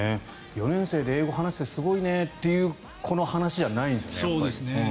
４年生で英語を話せてすごいねっていう話ではないんですよね。